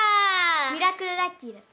ミラクルラッキーだった。